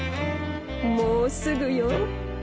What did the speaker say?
もうすぐよ。